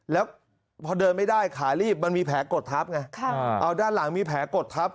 แล้วพอเดินไม่ได้ขาลีบมันมีแผลกดทับไงเอาด้านหลังมีแผลกดทับ